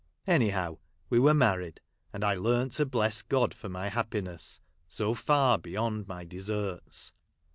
AnyhoAV Ave Avere married ; and I learnt to bless God for my happiness, so far beyond my deserts.